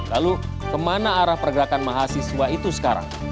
lalu kemana arah pergerakan mahasiswa itu sekarang